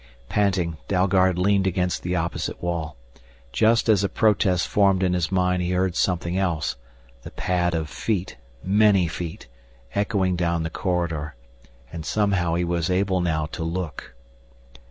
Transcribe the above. Panting, Dalgard leaned against the opposite wall. Just as a protest formed in his mind he heard something else, the pad of feet, many feet, echoing down the corridor. And somehow he was able now to look.